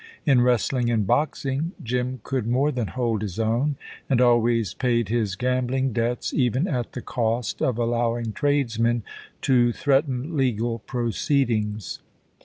In wrestling and boxing Jim could more than hold his own, and always paid his gambling debts, even at the cost of allowing tradesmen to threaten legal proceedings.